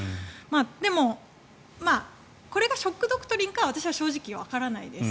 でもこれがショック・ドクトリンかは私は正直わからないです。